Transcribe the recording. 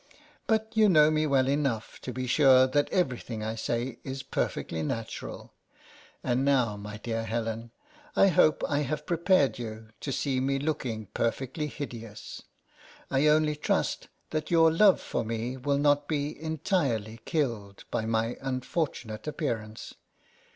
But you know me well enough to be sure that every thing I say is per fectly natural. And now, my dear Helen, I hope I have prepared you to see me looking perfectly hideous. I only trust that your love for me will not be entirely killed by my unfortunate appearance.